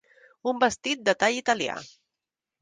Un vestit de tall italià.